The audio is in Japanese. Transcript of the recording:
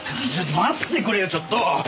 待ってくれよちょっと！